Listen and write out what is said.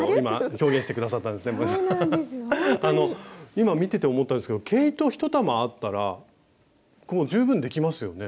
今見てて思ったんですけど毛糸１玉あったら十分できますよね。